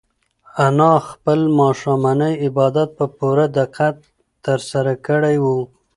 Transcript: انا خپل ماښامنی عبادت په پوره دقت ترسره کړی و.